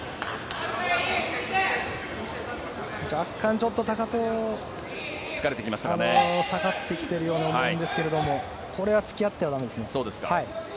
ちょっと高藤下がってきているように思うんですけれどもこれは付き合ってはだめですね。